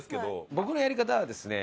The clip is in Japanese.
僕のやり方はですね